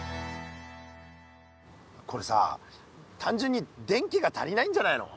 これさあたんじゅんに電気が足りないんじゃないの？